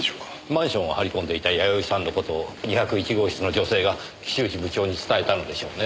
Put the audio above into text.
マンションを張り込んでいたやよいさんの事を２０１号室の女性が岸内部長に伝えたのでしょうね。